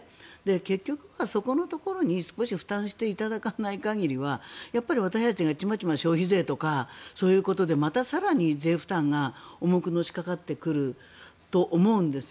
結局はそこのところに少し負担していただかない限りは私たちがちまちま消費税とかそういうことでまた更に税負担が重くのしかかってくると思うんです。